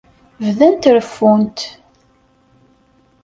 Bdant reffunt.